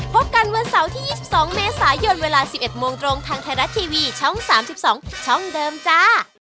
พบกันวันเสาร์ที่๒๒เมษายนเวลา๑๑โมงตรงทางไทยรัฐทีวีช่อง๓๒ช่องเดิมจ้า